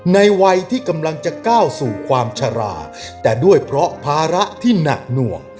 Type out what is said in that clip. ในวัยที่กำลังจะก้าวสู่ความชะลาแต่ด้วยเพราะภาระที่หนักหน่วง